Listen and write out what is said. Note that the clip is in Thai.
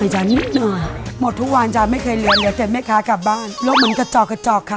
หมดทุกวันไม่เคยเหลือหรือเจอเป็นบริการขับบ้านโลกมันกระจอกกระจอก